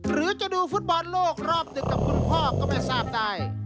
หรือจะดูฟุตบอลโลกรอบดึกกับคุณพ่อก็ไม่ทราบได้